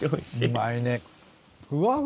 うまいね。